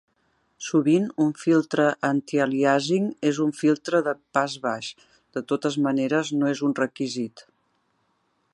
Sovint, un filtre antialiàsing és un filtre de pas baix. De totes maneres, no és un requisit.